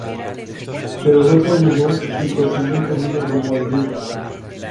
Pero el otro dudó y prosiguió el camino rumbo a Lima.